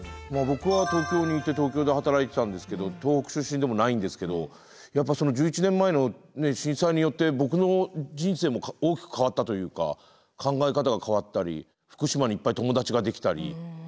僕は東京にいて東京で働いてたんですけど東北出身でもないんですけどやっぱ１１年前の震災によって僕の人生も大きく変わったというか考え方が変わったり福島にいっぱい友達ができたり。